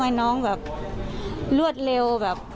ทำไมน้องแบบรอดเร็ว